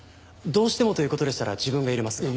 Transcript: どうしてもという事でしたら自分が入れますが。